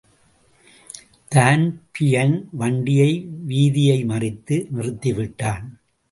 தான்பியின் வண்டியை வீதியை மறித்து நிறுத்திவிட்டான்.